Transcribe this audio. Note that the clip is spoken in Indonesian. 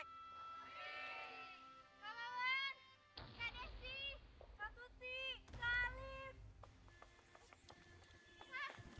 pak bawan kak desi pak putih salim